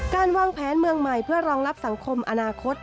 การวางแผนเมืองใหม่เพื่อรองรับสังคมอนาคต